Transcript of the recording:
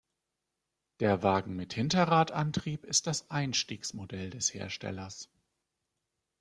Der Wagen mit Hinterradantrieb ist das Einstiegsmodell des Herstellers.